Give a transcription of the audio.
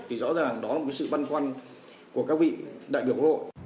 thì rõ ràng đó là một sự băn quan của các vị đại biểu hộ